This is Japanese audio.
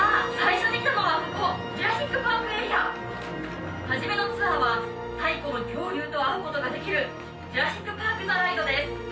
初めのツアーは太古の恐竜と会うことができるジュラシック・パーク・ザ・ライドです。